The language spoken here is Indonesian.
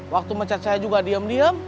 waktu mecat saya juga diem diem